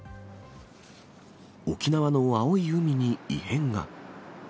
沖縄の青い海に異変が。